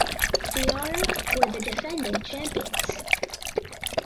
Beara were the defending champions.